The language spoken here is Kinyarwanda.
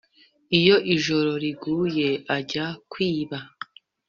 iyo ijoro riguye ajya kwiba